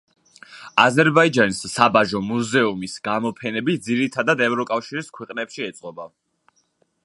აზერბაიჯანის საბაჟო მუზეუმის გამოფენები ძირითადად ევროკავშირის ქვეყნებში ეწყობა.